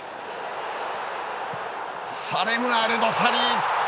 サレム・アルドサリ。